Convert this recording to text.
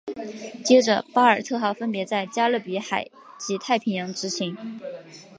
接着巴比特号分别在加勒比海及太平洋执勤。